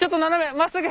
まっすぐ！